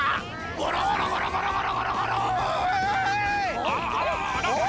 ゴロゴロゴロゴロゴロ！